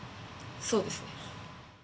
そうですね。